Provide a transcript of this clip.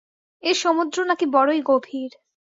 এ সমুদ্র নাকি বড়ই গভীর।